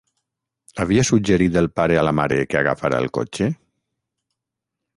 Havia suggerit el pare a la mare que agafara el cotxe?